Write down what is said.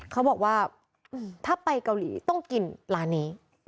เขาบอกว่าถ้าไปเกาหลีต้องกินร้านนี้